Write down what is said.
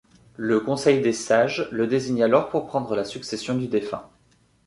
Le conseil des sages le désigne alors pour prendre la succession du défunt.